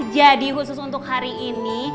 jadi khusus untuk hari ini